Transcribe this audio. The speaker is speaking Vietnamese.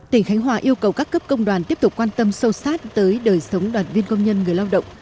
tỉnh khánh hòa yêu cầu các cấp công đoàn tiếp tục quan tâm sâu sát tới đời sống đoàn viên công nhân người lao động